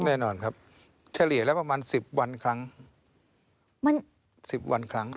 แน่นอนครับเฉลี่ยละประมาณ๑๐วันครั้ง